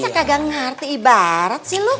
saya kagak ngerti ibarat sih lu